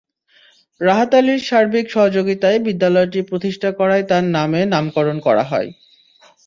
রাহাত আলীর সার্বিক সহযোগিতায় বিদ্যালয়টি প্রতিষ্ঠা করায় তাঁর নামে নামকরণ করা হয়।